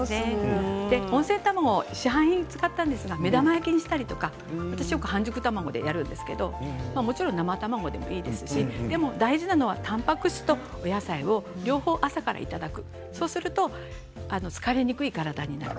温泉卵、市販品を使ったんですが目玉焼きにしたりとか私は半熟卵をよく使うんですが大事なのはたんぱく質と野菜を両方朝からいただくそうすると疲れ、にくい体になる。